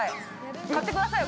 ◆買ってくださいよ。